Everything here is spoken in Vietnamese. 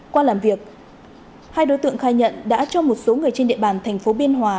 qua làm việc hai đối tượng khai nhận đã cho một số người trên địa bàn thành phố biên hòa